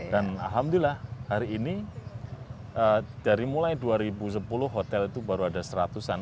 dan alhamdulillah hari ini dari mulai dua ribu sepuluh hotel itu baru ada seratusan